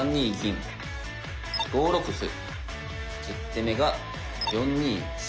１０手目が４二飛。